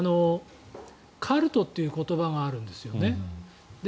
カルトという言葉があるんですよね。